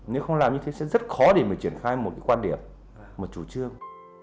nếu không làm như thế sẽ rất khó để mình triển khai một quan điểm một chủ trương